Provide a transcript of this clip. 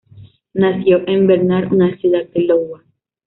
Nació en Bernard, una ciudad de Iowa.